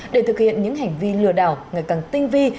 để thực hiện những hành vi lừa đảo ngày càng tinh vi